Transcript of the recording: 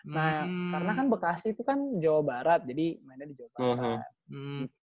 nah karena kan bekasi itu kan jawa barat jadi mainnya di jawa barat